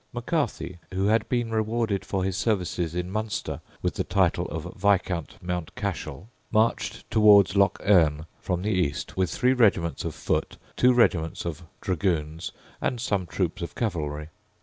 Macarthy, who had been rewarded for his services in Munster with the title of Viscount Mountcashel, marched towards Lough Erne from the east with three regiments of foot, two regiments of dragoons, and some troops of cavalry.